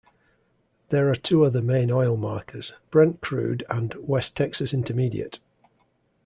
There are two other main oil markers: Brent Crude and West Texas Intermediate.